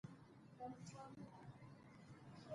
چی دا د یو لارښوونکی او مدبر سړی کار دی.